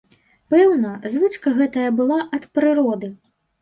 Пэўна, звычка гэтая была ад прыроды.